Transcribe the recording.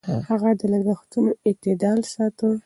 هغه د لګښتونو اعتدال ساته.